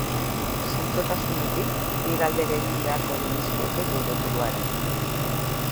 Zintzotasunetik, bi galdera egin beharko genizkioke geure buruari.